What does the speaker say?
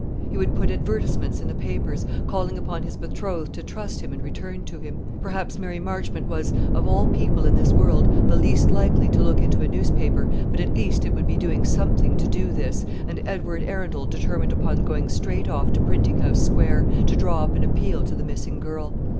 He would put advertisements in the papers, calling upon his betrothed to trust him and return to him. Perhaps Mary Marchmont was, of all people in this world, the least likely to look into a newspaper; but at least it would be doing something to do this, and Edward Arundel determined upon going straight off to Printing House Square, to draw up an appeal to the missing girl.